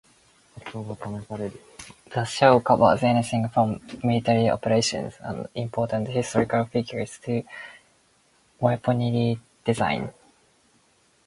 The show covers anything from military operations and important historical figures to weaponry design.